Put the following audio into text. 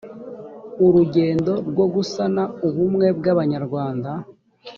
urugendo rwo gusana ubumwe bw abanyarwanda